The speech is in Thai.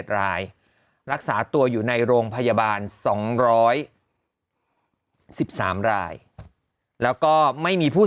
๗รายรักษาตัวอยู่ในโรงพยาบาล๒๑๓รายแล้วก็ไม่มีผู้